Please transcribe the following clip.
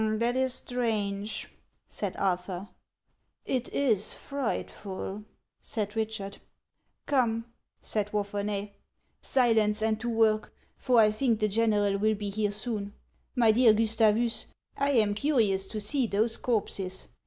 " That is strange," said Arthur. " It is frightful," said Richard. " Come," said Wapherney, " silence, and to work, for I think the general will be here soon. My dear Gustavus, I am curious to see those corpses.